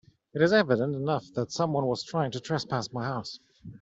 It is evident enough that someone was trying to trespass my house.